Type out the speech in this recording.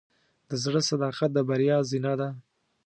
د زړۀ صداقت د بریا زینه ده.